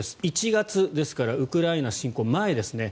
１月、ですからウクライナ侵攻前ですね。